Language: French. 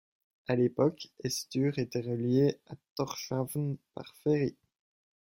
À l'époque, Hestur était reliée à Tórshavn par ferry.